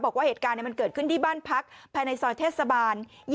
บอกว่าเหตุการณ์มันเกิดขึ้นที่บ้านพักภายในซอยเทศบาล